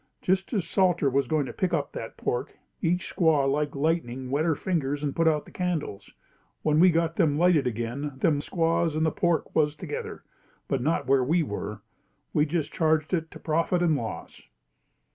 Just as Salter was going to pick up that pork, each squaw like lightning wet her fingers and put out the candles. When we got them lighted again, them squaws and the pork was together, but not where we were. We just charged it to profit and loss.